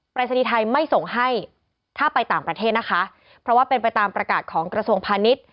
รายศนีย์ไทยไม่ส่งให้ถ้าไปต่างประเทศนะคะเพราะว่าเป็นไปตามประกาศของกระทรวงพาณิชย์